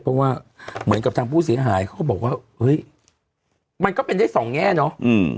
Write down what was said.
เพราะว่าเหมือนกับทางผู้เสียหายเขาก็บอกว่าเฮ้ยมันก็เป็นได้สองแง่เนาะ